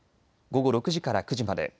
午後６時から９時まで。